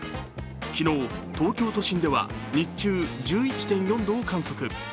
昨日、東京都心では日中１１．４度を観測。